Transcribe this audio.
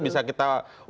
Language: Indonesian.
bisa kita ubah